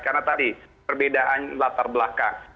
karena tadi perbedaan latar belakang